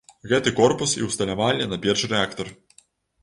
Гэты корпус і ўсталявалі на першы рэактар.